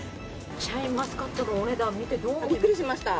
シャインマスカットのお値段見て、どう思いましたか？